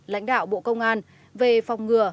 lãnh đạo bộ công an về phòng ngừa